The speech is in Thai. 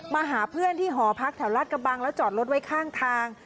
มาหาเพื่อนที่หอพักแถวราชกระบังแล้วจอดรถไว้ข้างทาง